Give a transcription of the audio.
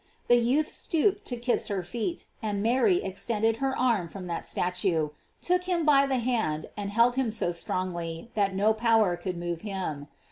The youth stooped to kiss her feet, and Mary extended her arm from that statue, took him by the hand and held him so strongly that no power could move him.